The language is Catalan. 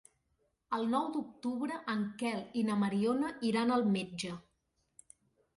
El nou d'octubre en Quel i na Mariona iran al metge.